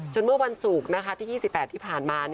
เมื่อวันศุกร์ที่๒๘ที่ผ่านมา